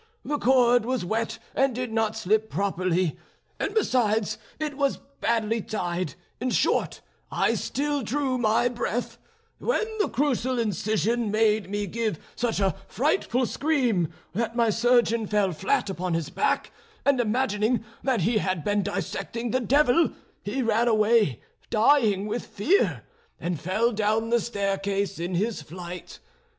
The cord was wet and did not slip properly, and besides it was badly tied; in short, I still drew my breath, when the crucial incision made me give such a frightful scream that my surgeon fell flat upon his back, and imagining that he had been dissecting the devil he ran away, dying with fear, and fell down the staircase in his flight.